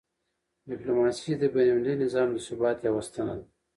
ډیپلوماسي د بینالمللي نظام د ثبات یوه ستنه ده.